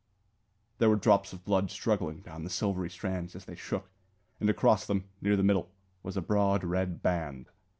There were drops of blood struggling down the silvery strands as they shook, and across them, near the middle, was a broad red band.